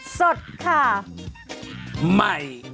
สดค่ะ